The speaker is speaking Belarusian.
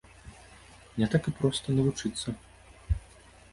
Не так і проста навучыцца.